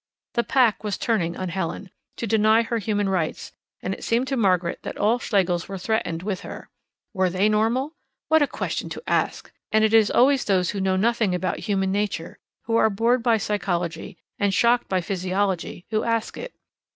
The pack was turning on Helen, to deny her human rights, and it seemed to Margaret that all Schlegels were threatened with her. "Were they normal?" What a question to ask! And it is always those who know nothing about human nature, who are bored by psychology and shocked by physiology, who ask it.